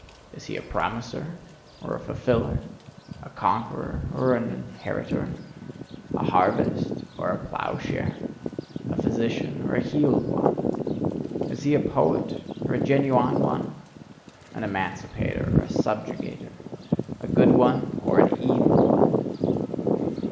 Is he a promiser? Or a fulfiller? A conqueror? Or an inheritor? A harvest? Or a ploughshare? A physician? Or a healed one? Is he a poet? Or a genuine one? An emancipator? Or a subjugator? A good one? Or an evil one?